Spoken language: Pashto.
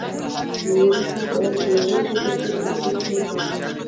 موږ باید د یوه شي تر کچې ټیټ نشو.